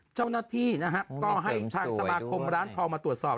เจ้าหน้าที่นะฮะก็ให้ทางสมาคมร้านทองมาตรวจสอบ